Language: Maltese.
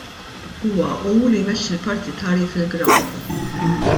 Huwa hu li jmexxi l-partitarji fil-grawnd.